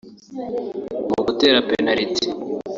Mu gutera penaliti